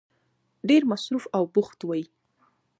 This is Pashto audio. ډېر مصروف او بوخت وی